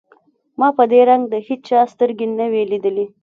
ما په دې رنگ د هېچا سترګې نه وې ليدلې.